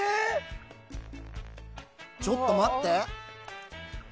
ちょっと待って。